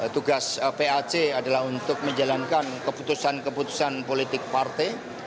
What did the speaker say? tugas pac adalah untuk menjalankan keputusan keputusan politik partai